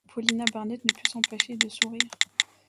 Paulina Barnett ne put s’empêcher de sourire.